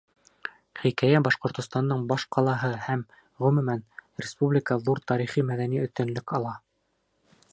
ХикәйәБашҡортостандың баш ҡалаһы һәм, ғөмүмән, республика ҙур тарихи-мәҙәни өҫтөнлөк ала.